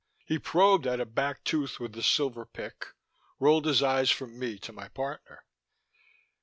He probed at a back tooth with a silver pick, rolled his eyes from me to my partner.